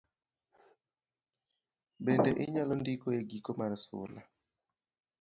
Bende inyalo ndiko e giko mar sula